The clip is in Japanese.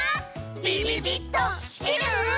ビビビっときてる？